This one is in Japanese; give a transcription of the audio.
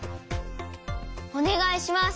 おねがいします！